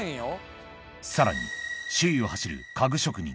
さらに首位を走る家具職人